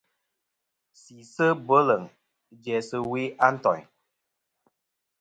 Sisɨ bweleŋ jæ sɨ we a ntoyn.